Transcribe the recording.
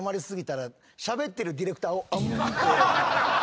しゃべってるディレクターをあむって。